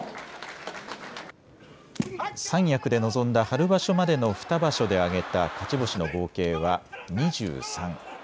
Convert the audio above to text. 三役で臨んだ春場所までの２場所で挙げた勝ち星の合計は２３。